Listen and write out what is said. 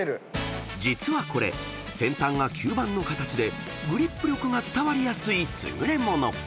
［実はこれ先端が吸盤の形でグリップ力が伝わりやすい優れ物］